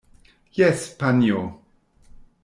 Jes, panjo.